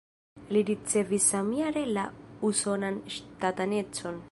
Li ricevis samjare la usonan ŝtatanecon.